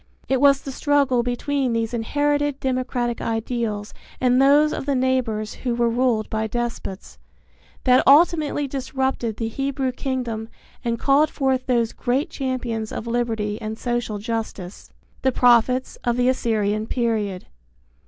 It was the struggle between these inherited democratic ideals and those of the neighbors who were ruled by despots, that ultimately disrupted the Hebrew kingdom and called forth those great champions of liberty and social justice, the prophets of the Assyrian period.